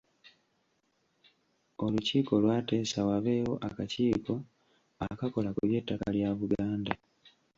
Olukiiko lwateesa wabeewo akakiiko akakola ku by'ettaka lya Buganda.